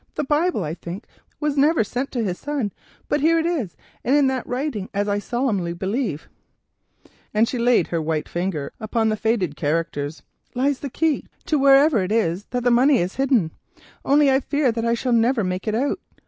The Bible, I think, was never sent to his son, but here it is, and in that writing, as I solemnly believe," and she laid her white finger upon the faded characters, "lies the key to wherever it is that the money is hidden, only I fear I shall never make it out.